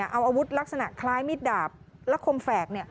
เอาอาวุธลักษณะคล้ายมิดดาบและคมแฝก